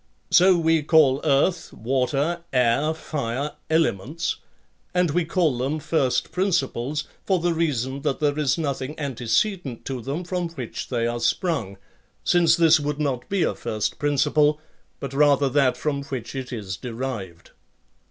So we call earth, water, air, fire, elements ; and we call them first principles for the reason that there is nothing antecedent to them from which they are sprung, since this would not be a first principle, but rather that from which it is derived.